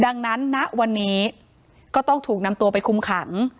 ดังนั้นณวันนี้ก็ต้องถูกนำตัวไปคุมขัง